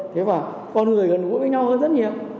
thế và con người gần gũi với nhau hơn rất nhiều